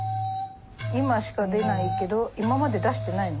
今しか出ないけど今まで出してないの？